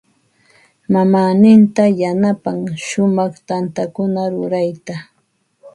Mamaaninta yanapan shumaq tantakuna rurayta.